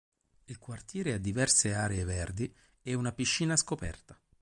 Il quartiere ha diverse aree verdi e una piscina scoperta.